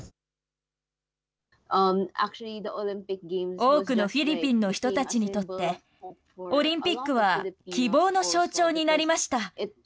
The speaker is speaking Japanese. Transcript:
多くのフィリピンの人たちにとって、オリンピックは希望の象徴になりました。